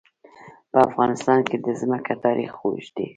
په افغانستان کې د ځمکه تاریخ اوږد دی.